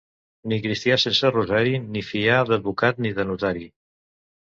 Ni cristià sense rosari, ni fiar d'advocat ni de notari.